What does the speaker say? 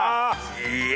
いや。